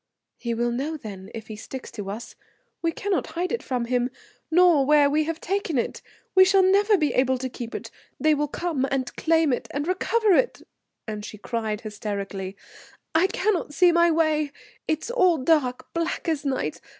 "He will know then, if he sticks to us. We cannot hide it from him, nor where we have taken it; we shall never be able to keep it, they will come and claim it and recover it;" and she cried hysterically: "I cannot see my way; it's all dark, black as night.